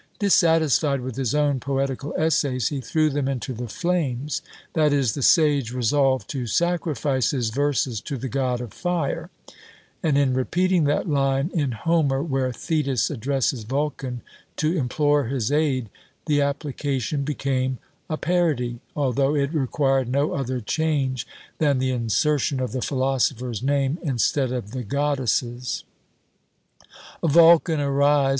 Dissatisfied with his own poetical essays, he threw them into the flames; that is, the sage resolved to sacrifice his verses to the god of fire; and in repeating that line in Homer where Thetis addresses Vulcan to implore his aid, the application became a parody, although it required no other change than the insertion of the philosopher's name instead of the goddess's; Vulcan, arise!